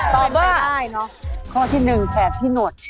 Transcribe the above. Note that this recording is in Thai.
ตอบว่าข้อที่๑แสบที่หนวด